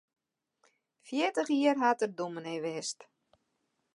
Fjirtich jier hat er dûmny west.